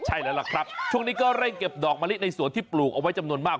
ใช่แล้วล่ะครับช่วงนี้ก็เร่งเก็บดอกมะลิในสวนที่ปลูกเอาไว้จำนวนมาก